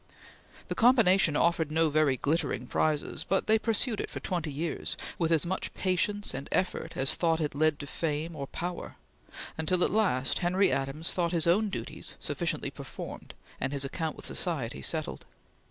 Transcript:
The combination offered no very glittering prizes, but they pursued it for twenty years with as much patience and effort as though it led to fame or power, until, at last, Henry Adams thought his own duties sufficiently performed and his account with society settled.